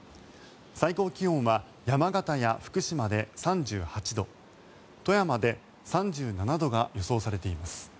最高気温は山形や福島で３８度富山で３７度が予想されています。